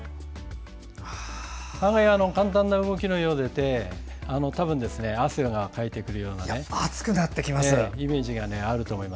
案外、簡単な動きのようでいて多分、汗をかいてくるようなね。暑くなってきました。